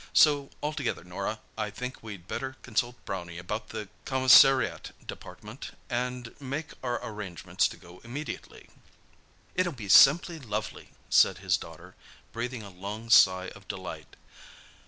So, altogether, Norah, I think we'd better consult Brownie about the commissariat department, and make our arrangements to go immediately." "It'll be simply lovely," said his daughter, breathing a long sigh of delight.